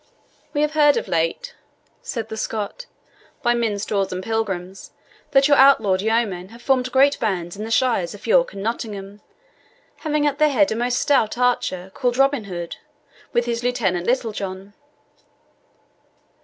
"We have heard of late," said the Scot, "by minstrels and pilgrims, that your outlawed yeomen have formed great bands in the shires of York and Nottingham, having at their head a most stout archer, called Robin Hood, with his lieutenant, Little John.